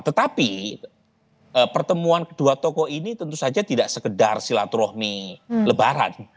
tetapi pertemuan kedua tokoh ini tentu saja tidak sekedar silaturahmi lebaran